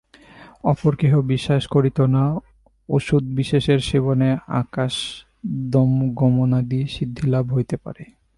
অপর কেহ বিশ্বাস করিত যে, ঔষধবিশেষের সেবনে আকাশ-গমনাদি সিদ্ধিলাভ হইতে পারে।